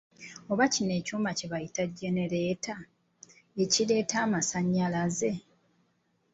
Oba kino kyuma kye bayita Jenereeta, ekireeta amasanyalaze?